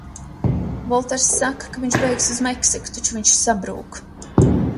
Volters saka, ka viņš bēgs uz Meksiku, taču viņš sabrūk.